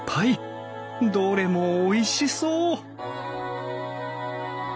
どれもおいしそう！